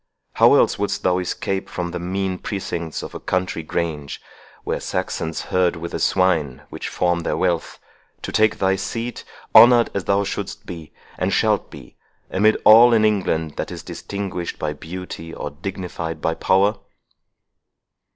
How else wouldst thou escape from the mean precincts of a country grange, where Saxons herd with the swine which form their wealth, to take thy seat, honoured as thou shouldst be, and shalt be, amid all in England that is distinguished by beauty, or dignified by power?"